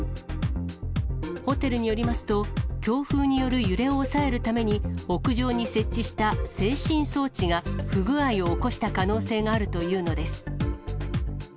ホテルによりますと、強風による揺れを抑えるために、屋上に設置した制振装置が不具合を起こした可能性があるというのです。